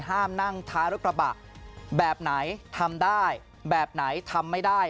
ห้ามนั่งท้ายรถกระบะแบบไหนทำได้แบบไหนทำไม่ได้